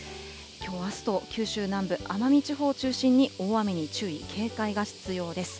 きょうあすと、九州南部、奄美地方を中心に大雨に注意、警戒が必要です。